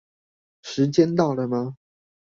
時間到了嗎